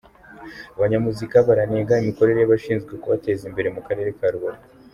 Abanyamuzika baranenga imikorere y’abashinzwe kubateza imbere Mukarere Karubavu